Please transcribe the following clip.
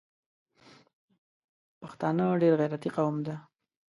پښتانه ډېر غیرتي قوم ده